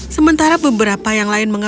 sementara beberapa yang lain